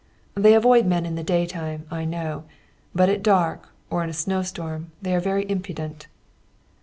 They avoid men in the day time, I know; but at dark or in a snowstorm they are very impudent."